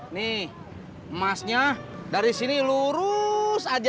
nih emasnya dari sini lurus aja